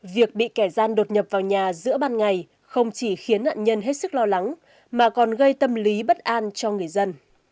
việc bị kẻ gian đột nhập vào nhà giữa ban ngày không chỉ khiến nạn nhân hết sức lo lắng mà còn gây tâm lý bất an cho người dân